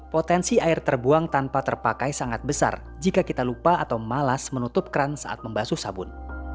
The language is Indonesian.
potensi air terbuang tanpa terpakai sangat besar jika kita lupa atau malas menutup kran saat membasuh sabun